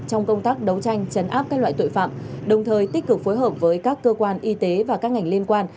trong công tác đấu tranh chấn áp các loại tội phạm đồng thời tích cực phối hợp với các cơ quan y tế và các ngành liên quan